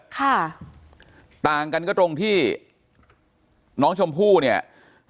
ค่ะต่างกันก็ตรงที่น้องชมพู่เนี่ย